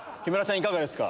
いかがですか？